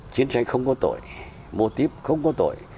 chiến tranh không có tội mô tiếp không có tội